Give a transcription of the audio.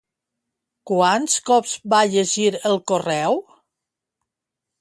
Quants cops va llegir el correu?